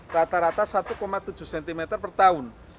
rata rata satu tujuh cm per tahun